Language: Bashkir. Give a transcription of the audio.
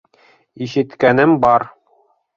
Ишеткәнем бар.